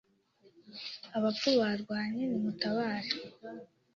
abapfu barwanye ni mutabare,